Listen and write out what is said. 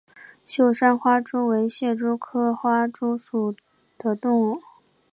秀山花蛛为蟹蛛科花蛛属的动物。